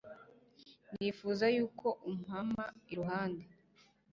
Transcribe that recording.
nifuza yuko umpama iruhande